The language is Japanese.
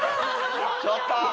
ちょっと！